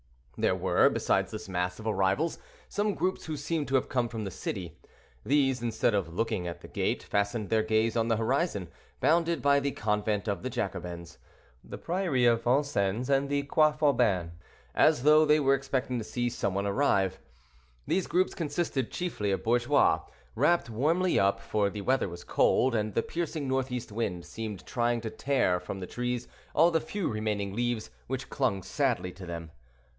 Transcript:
There were, besides this mass of arrivals, some groups who seemed to have come from the city. These, instead of looking at the gate, fastened their gaze on the horizon, bounded by the Convent of the Jacobins, the Priory of Vincennes, and the Croix Faubin, as though they were expecting to see some one arrive. These groups consisted chiefly of bourgeois, warmly wrapped up, for the weather was cold, and the piercing northeast wind seemed trying to tear from the trees all the few remaining leaves which clung sadly to them.